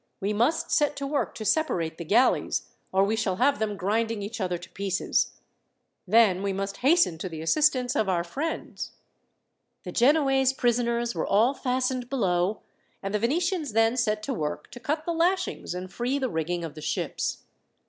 We must set to work to separate the galleys, or we shall have them grinding each other to pieces. Then we must hasten to the assistance of our friends." The Genoese prisoners were all fastened below, and the Venetians then set to work to cut the lashings and free the rigging of the ships.